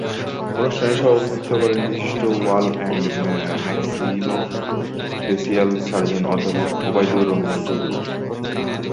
অনুষ্ঠানে সভাপতিত্ব করেন বিশিষ্ট ওরাল অ্যান্ড ম্যাক্সিলোফেসিয়াল সার্জন অধ্যাপক ওবাইদুর রহমান চৌধুরী।